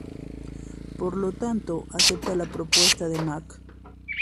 Por lo tanto, acepta la propuesta de Mac.